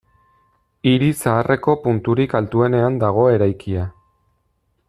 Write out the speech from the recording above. Hiri zaharreko punturik altuenean dago eraikia.